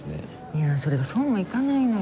いやそれがそうもいかないのよ。